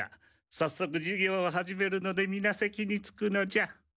さっそく授業を始めるのでみな席に着くのじゃ。